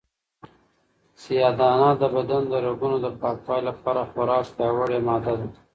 سیاه دانه د بدن د رګونو د پاکوالي لپاره خورا پیاوړې ماده ده.